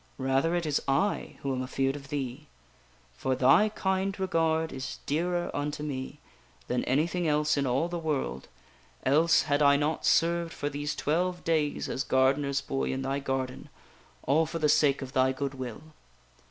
Rather it is I who am afeard of thee. For thy kind regard is dearer unto me than anything else in all the world, else had I not served for these twelve days as gardener's boy in thy garden all for the sake of thy good will."